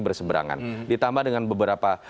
berseberangan ditambah dengan beberapa